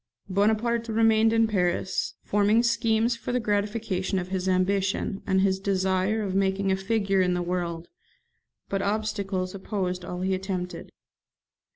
Bonaparte remained in Paris, forming schemes for the gratification of his ambition, and his desire of making a figure in the world; but obstacles opposed all he attempted.